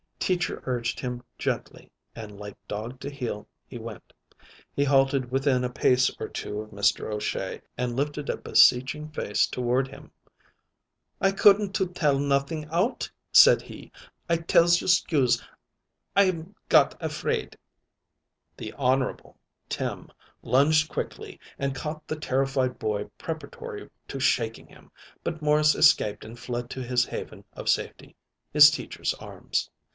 Teacher urged him gently, and like dog to heel, he went. He halted within a pace or two of Mr. O'Shea, and lifted a beseeching face toward him. "I couldn't to tell nothing out," said he. "I tells you 'scuse. I'm got a fraid." The Honorable Tim lunged quickly and caught the terrified boy preparatory to shaking him, but Morris escaped and fled to his haven of safety his Teacher's arms.